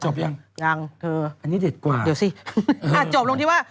จบหรือยังอันนี้เด็ดกว่าเดี๋ยวสิอ่ะจบลงที่ว่า